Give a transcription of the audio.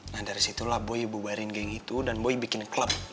nah dari situlah boy bubarin kayak gitu dan boy bikin klub